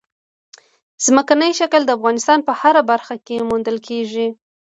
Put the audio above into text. ځمکنی شکل د افغانستان په هره برخه کې موندل کېږي.